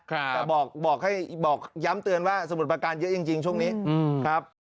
แต่บอกให้บอกย้ำเตือนว่าสมุทรประการเยอะจริงช่วงนี้ครับ